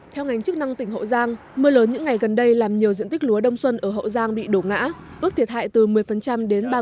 theo ngành chức năng tỉnh hậu giang mưa lớn những ngày gần đây làm nhiều diện tích lúa đông xuân ở hậu giang bị đổ ngã ước thiệt hại từ một mươi đến ba mươi